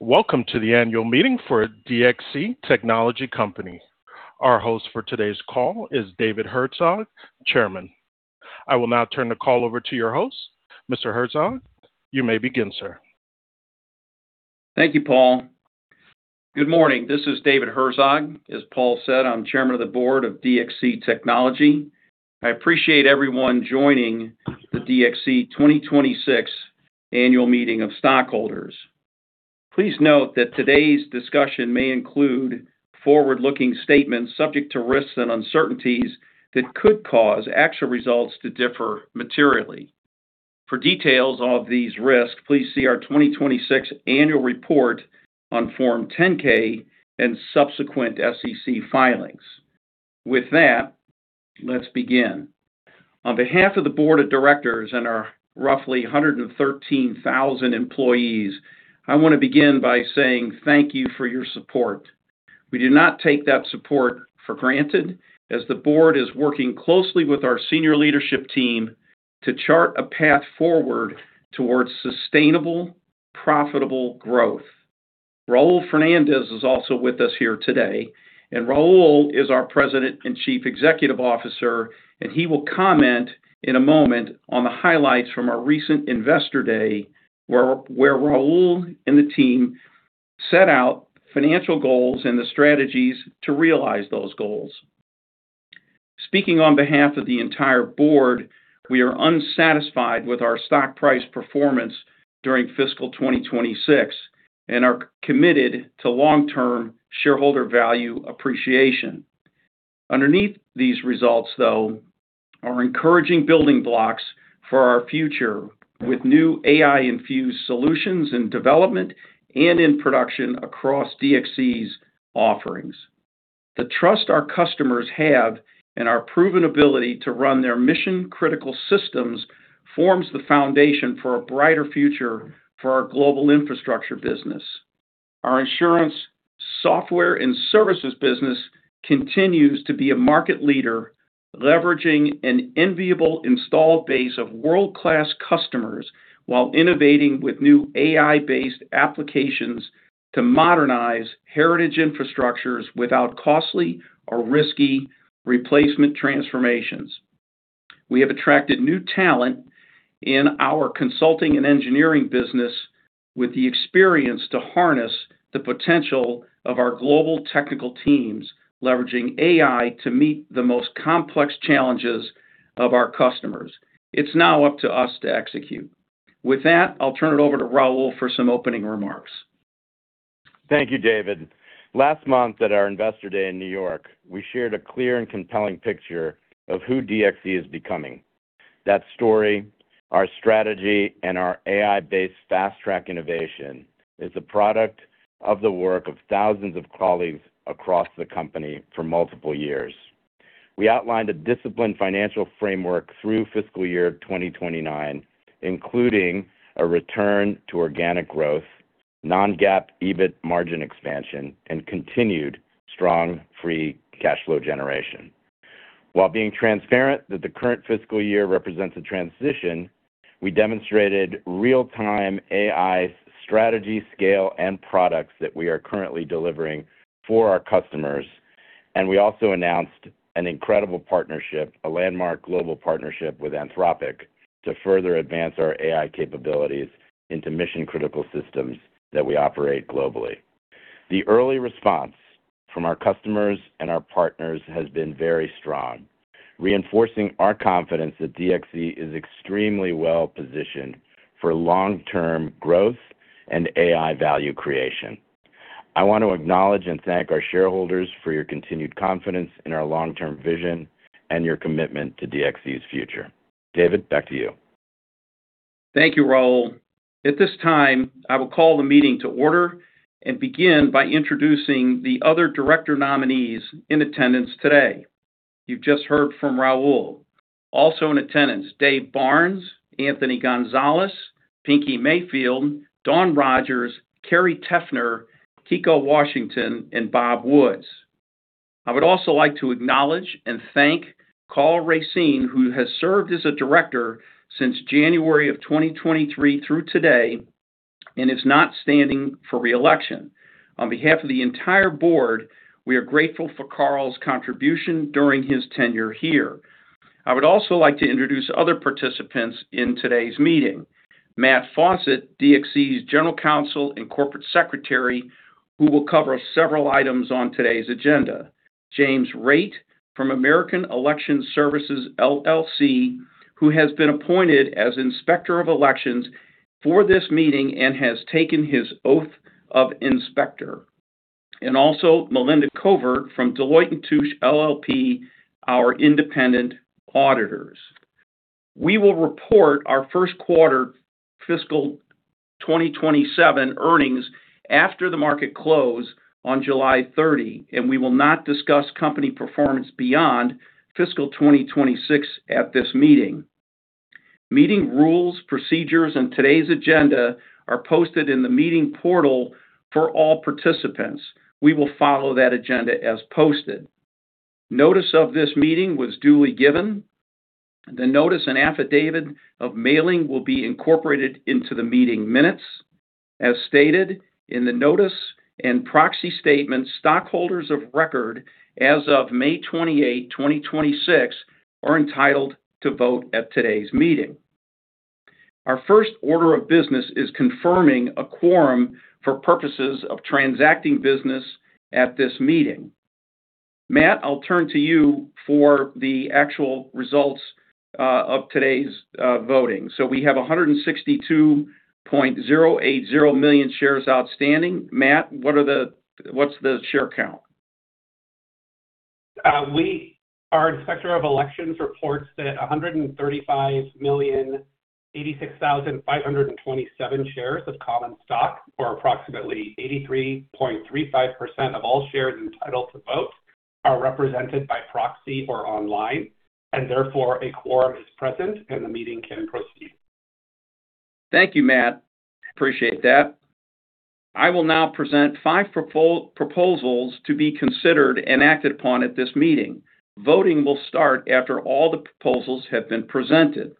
Welcome to the annual meeting for DXC Technology Company. Our host for today's call is David Herzog, Chairman. I will now turn the call over to your host. Mr. Herzog, you may begin, sir. Thank you, Paul. Good morning. This is David Herzog. As Paul said, I'm Chairman of the Board of DXC Technology. I appreciate everyone joining the DXC 2026 annual meeting of stockholders. Please note that today's discussion may include forward-looking statements subject to risks and uncertainties that could cause actual results to differ materially. For details of these risks, please see our 2026 annual report on Form 10-K and subsequent SEC filings. With that, let's begin. On behalf of the board of directors and our roughly 113,000 employees, I want to begin by saying thank you for your support. We do not take that support for granted, as the board is working closely with our Senior Leadership Team to chart a path forward towards sustainable, profitable growth. Raul Fernandez is also with us here today. Raul is our President and Chief Executive fficer, he will comment in a moment on the highlights from our recent investor day, where Raul and the team set out financial goals and the strategies to realize those goals. Speaking on behalf of the entire board, we are unsatisfied with our stock price performance during fiscal 2026 and are committed to long-term shareholder value appreciation. Underneath these results, though, are encouraging building blocks for our future with new AI-infused solutions and development and in production across DXC's offerings. The trust our customers have and our proven ability to run their mission-critical systems forms the foundation for a brighter future for our global infrastructure business. Our insurance, software, and services business continues to be a market leader, leveraging an enviable installed base of world-class customers while innovating with new AI-based applications to modernize heritage infrastructures without costly or risky replacement transformations. We have attracted new talent in our consulting and engineering business with the experience to harness the potential of our global technical teams, leveraging AI to meet the most complex challenges of our customers. It's now up to us to execute. With that, I'll turn it over to Raul for some opening remarks. Thank you, David. Last month at our investor day in New York, we shared a clear and compelling picture of who DXC is becoming. That story, our strategy, and our AI-based fast-track innovation is the product of the work of thousands of colleagues across the company for multiple years. We outlined a disciplined financial framework through fiscal year 2029, including a return to organic growth, non-GAAP EBIT margin expansion, and continued strong free cash flow generation. While being transparent that the current fiscal year represents a transition, we demonstrated real-time AI strategy, scale, and products that we are currently delivering for our customers, we also announced an incredible partnership, a landmark global partnership with Anthropic to further advance our AI capabilities into mission-critical systems that we operate globally. The early response from our customers and our partners has been very strong, reinforcing our confidence that DXC is extremely well-positioned for long-term growth and AI value creation. I want to acknowledge and thank our shareholders for your continued confidence in our long-term vision and your commitment to DXC's future. David, back to you. Thank you, Raul. At this time, I will call the meeting to order and begin by introducing the other director nominees in attendance today. You've just heard from Raul. Also in attendance, Dave Barnes, Anthony Gonzalez, Pinkie Mayfield, Dawn Rogers, Carrie Teffner, Kiko Washington, and Bob Woods. I would also like to acknowledge and thank Karl Racine, who has served as a director since January of 2023 through today and is not standing for re-election. On behalf of the entire board, we are grateful for Karl's contribution during his tenure here. I would also like to introduce other participants in today's meeting. Matt Fawcett, DXC's General Counsel and Corporate Secretary, who will cover several items on today's agenda. James Rate from American Election Services, LLC, who has been appointed as Inspector of Elections for this meeting and has taken his oath of inspector. Also Melinda Covert from Deloitte & Touche LLP, our independent auditors. We will report our first quarter fiscal 2027 earnings after the market close on July 30, we will not discuss company performance beyond fiscal 2026 at this meeting. Meeting rules, procedures, and today's agenda are posted in the meeting portal for all participants. We will follow that agenda as posted. Notice of this meeting was duly given. The notice and affidavit of mailing will be incorporated into the meeting minutes. As stated in the notice and proxy statement, stockholders of record as of May 28, 2026, are entitled to vote at today's meeting. Our first order of business is confirming a quorum for purposes of transacting business at this meeting. Matt, I'll turn to you for the actual results of today's voting. We have 162.080 million shares outstanding. Matt, what's the share count? Our Inspector of Elections reports that 135,086,527 shares of common stock, or approximately 83.35% of all shares entitled to vote, are represented by proxy or online, and therefore, a quorum is present, and the meeting can proceed. Thank you, Matt. Appreciate that. I will now present five proposals to be considered and acted upon at this meeting. Voting will start after all the proposals have been presented.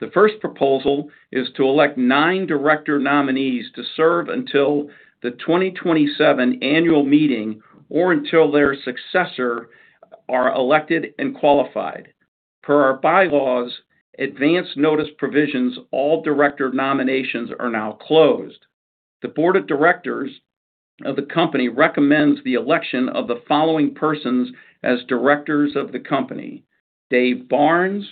The first proposal is to elect nine director nominees to serve until the 2027 annual meeting or until their successor are elected and qualified. Per our bylaws advance notice provisions, all director nominations are now closed. The board of directors of the company recommends the election of the following persons as directors of the company: David Barnes,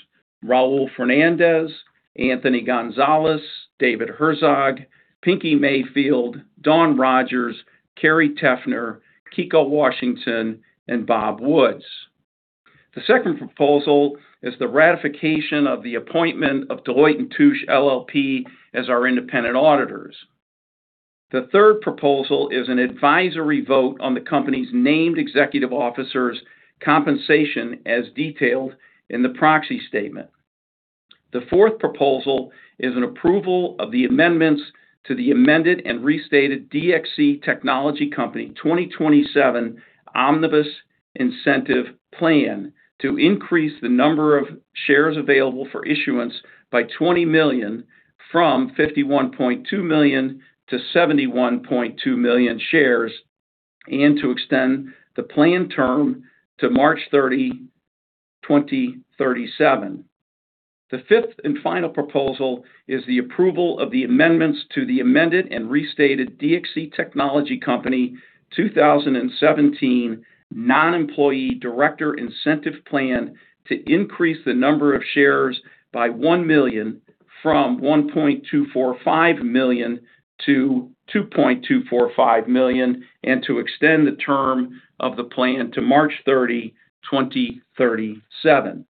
Raul Fernandez, Anthony Gonzalez, David Herzog, Pinkie Mayfield, Dawn Rogers, Carrie Teffner, Kiko Washington, and Bob Woods. The second proposal is the ratification of the appointment of Deloitte & Touche LLP as our independent auditors. The third proposal is an advisory vote on the company's named executive officers' compensation as detailed in the proxy statement. The fourth proposal is an approval of the amendments to the amended and restated DXC Technology Company 2017 Omnibus Incentive Plan to increase the number of shares available for issuance by 20 million from 51.2 million-71.2 million shares, and to extend the plan term to March 30, 2037. The fifth and final proposal is the approval of the amendments to the amended and restated DXC Technology Company 2017 Non-Employee Director Incentive Plan to increase the number of shares by 1 million from 1.245 million-2.245 million, and to extend the term of the plan to March 30, 2037.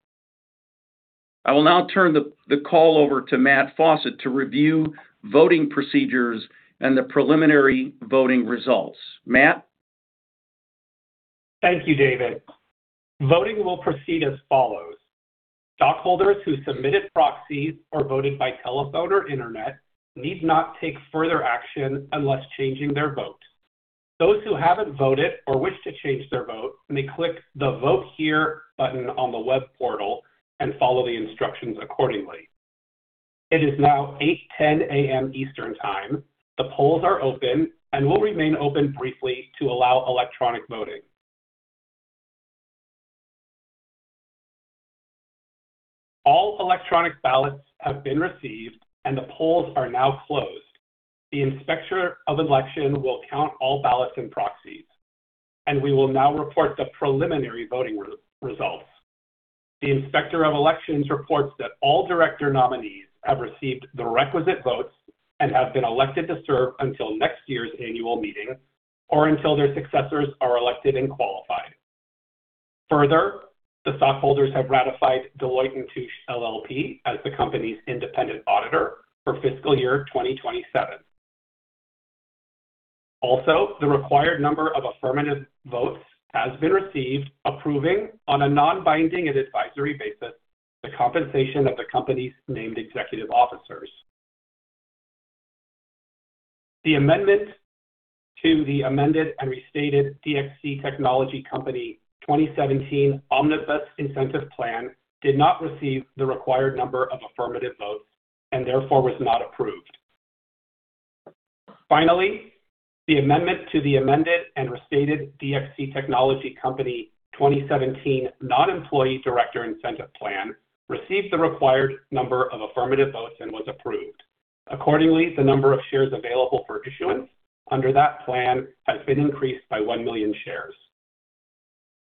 I will now turn the call over to Matt Fawcett to review voting procedures and the preliminary voting results. Matt? Thank you, David. Voting will proceed as follows. Stockholders who submitted proxies or voted by telephone or internet need not take further action unless changing their vote. Those who haven't voted or wish to change their vote may click the Vote Here button on the web portal and follow the instructions accordingly. It is now 8:10 A.M. Eastern Time. The polls are open and will remain open briefly to allow electronic voting. All electronic ballots have been received and the polls are now closed. The Inspector of Elections will count all ballots and proxies, and we will now report the preliminary voting results. The Inspector of Elections reports that all director nominees have received the requisite votes and have been elected to serve until next year's annual meeting or until their successors are elected and qualified. The stockholders have ratified Deloitte & Touche LLP as the company's independent auditor for fiscal year 2027. The required number of affirmative votes has been received, approving on a non-binding and advisory basis the compensation of the company's named executive officers. The amendment to the amended and restated DXC Technology Company 2017 Omnibus Incentive Plan did not receive the required number of affirmative votes and therefore was not approved. The amendment to the amended and restated DXC Technology Company 2017 Non-Employee Director Incentive Plan received the required number of affirmative votes and was approved. Accordingly, the number of shares available for issuance under that plan has been increased by 1 million shares.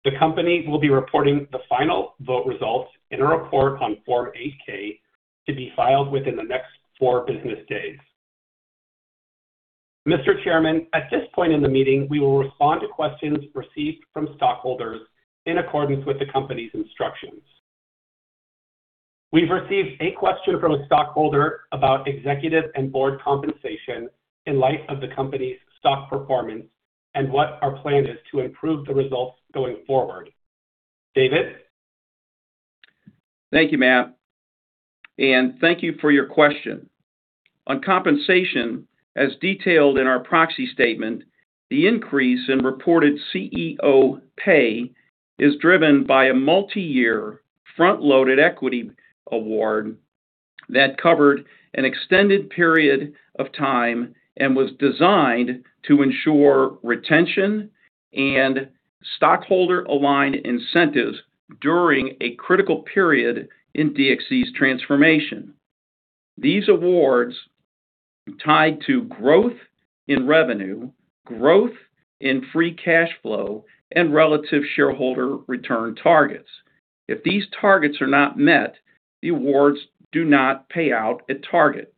The company will be reporting the final vote results in a report on Form 8-K to be filed within the next four business days. Mr. Chairman, at this point in the meeting, we will respond to questions received from stockholders in accordance with the company's instructions. We've received a question from a stockholder about executive and board compensation in light of the company's stock performance and what our plan is to improve the results going forward. David? Thank you, Matt, Anne, thank you for your question. On compensation, as detailed in our proxy statement, the increase in reported CEO pay is driven by a multi-year front-loaded equity award that covered an extended period of time and was designed to ensure retention and stockholder-aligned incentives during a critical period in DXC's transformation. These awards tied to growth in revenue, growth in free cash flow, and relative shareholder return targets. If these targets are not met, the awards do not pay out at target.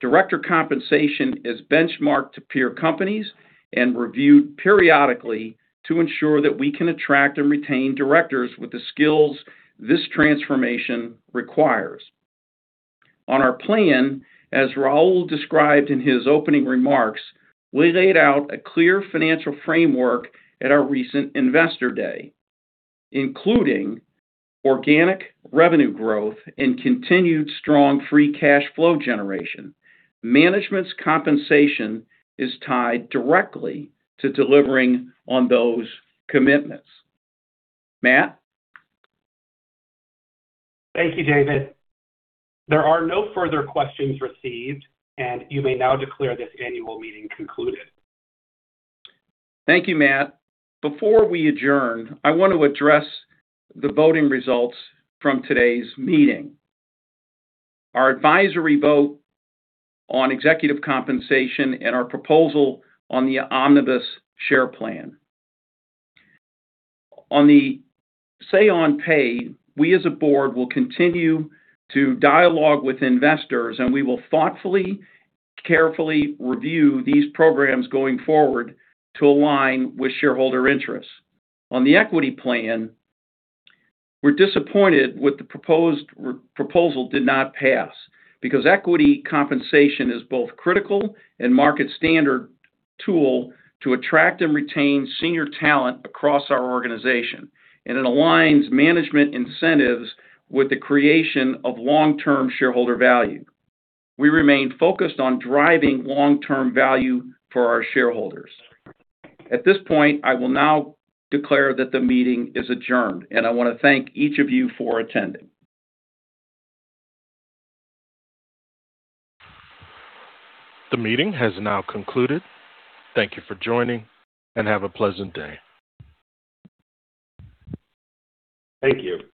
Director compensation is benchmarked to peer companies and reviewed periodically to ensure that we can attract and retain directors with the skills this transformation requires. On our plan, as Raul described in his opening remarks, we laid out a clear financial framework at our recent investor day, including organic revenue growth and continued strong free cash flow generation. Management's compensation is tied directly to delivering on those commitments. Matt? Thank you, David. There are no further questions received, and you may now declare this annual meeting concluded. Thank you, Matt. Before we adjourn, I want to address the voting results from today's meeting. Our advisory vote on executive compensation and our proposal on the Omnibus share plan. On the say on pay, we as a board will continue to dialogue with investors, and we will thoughtfully, carefully review these programs going forward to align with shareholder interests. On the equity plan, we're disappointed with the proposal did not pass, because equity compensation is both critical and market standard tool to attract and retain senior talent across our organization, and it aligns management incentives with the creation of long-term shareholder value. We remain focused on driving long-term value for our shareholders. At this point, I will now declare that the meeting is adjourned, and I want to thank each of you for attending. The meeting has now concluded. Thank you for joining, and have a pleasant day. Thank you.